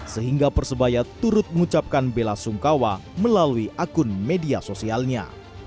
sehingga persebaya turut mengucapkan bela sungkawa melalui akun media sosialnya